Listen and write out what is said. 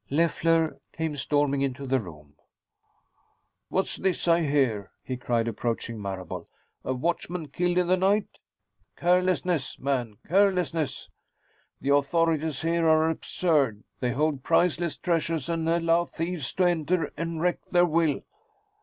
Leffler came storming into the room. "What's this I hear?" he cried, approaching Marable. "A watchman killed in the night? Carelessness, man, carelessness! The authorities here are absurd! They hold priceless treasures and allow thieves to enter and wreak their will.